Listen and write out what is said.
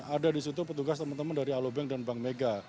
ada di situ petugas teman teman dari alobank dan bank mega